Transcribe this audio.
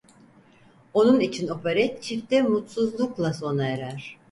Onun için operet çifte mutsuzlukla sona erer.